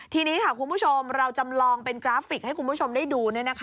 ทีนี้ค่ะคุณผู้ชมเราจำลองเป็นกราฟิกให้คุณผู้ชมได้ดู